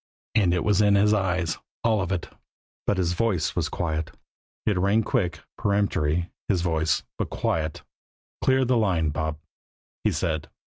And it was in his eyes, all of it. But his voice was quiet. It rang quick, peremptory, his voice but quiet. "Clear the line, Bob," he said.